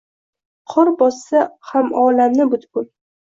Qor bossa ham olamni butkul